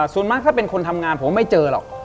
ส่วนมากถ้าเป็นคนทำงานผมไม่เจอหรอก